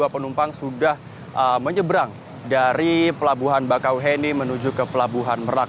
dua ratus tiga puluh dua penumpang sudah menyeberang dari pelabuhan bakau heni menuju ke pelabuhan merak